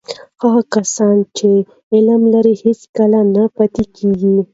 هغه کسان چې علم لري، هیڅکله نه پاتې کېږي.